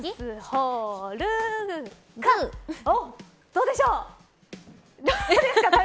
どうでしょう。